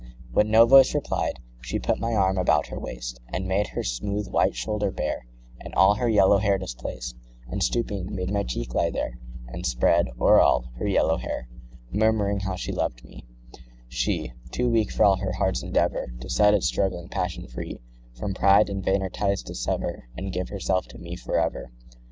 When no voice replied, 15 She put my arm about her waist, And made her smooth white shoulder bare, And all her yellow hair displaced, And, stooping, made my cheek lie there, And spread, o'er all, her yellow hair, 20 Murmuring how she loved me—she Too weak, for all her heart's endeavour, To set its struggling passion free From pride, and vainer ties dissever, And give herself to me for ever.